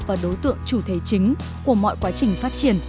và đối tượng chủ thế chính của mọi quá trình phát triển